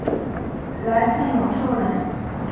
来瑱永寿人。